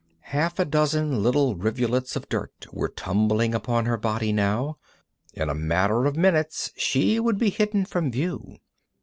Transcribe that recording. Half a dozen little rivulets of dirt were tumbling upon her body now. In a matter of minutes she would be hidden from view.